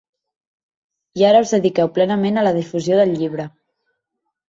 I ara us dediqueu plenament a la difusió del llibre.